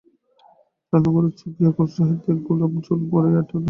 রান্নাঘরে চুকিয়া কলসি হইতে এক গেলাশ জল গড়াইয়া খাইল।